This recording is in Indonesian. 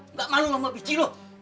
nggak malu sama biji loh